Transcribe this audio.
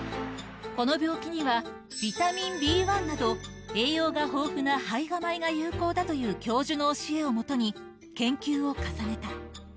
この病気にはビタミンＢ１など、栄養が豊富な胚芽米が有効だという教授の教えをもとに、研究を重ねた。